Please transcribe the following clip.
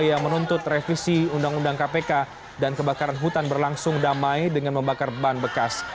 yang menuntut revisi undang undang kpk dan kebakaran hutan berlangsung damai dengan membakar ban bekas